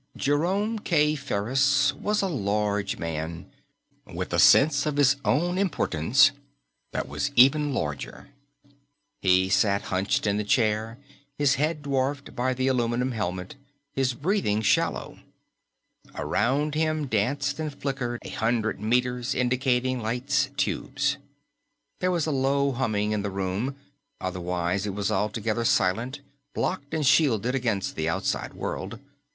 Jerome K. Ferris was a large man, with a sense of his own importance that was even larger. He sat hunched in the chair, his head dwarfed by the aluminum helmet, his breathing shallow. Around him danced and flickered a hundred meters, indicator lights, tubes. There was a low humming in the room, otherwise it was altogether silent, blocked and shielded against the outside world.